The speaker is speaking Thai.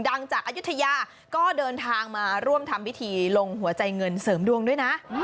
ดังจากอายุทยาก็เดินทางมาร่วมทำพิธีลงหัวใจเงินเสริมดวงด้วยนะ